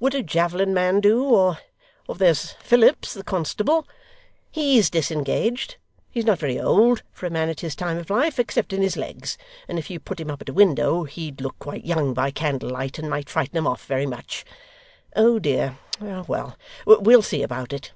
Would a javelin man do? Or there's Philips the constable, HE'S disengaged, he's not very old for a man at his time of life, except in his legs, and if you put him up at a window he'd look quite young by candle light, and might frighten 'em very much. Oh dear! well! we'll see about it.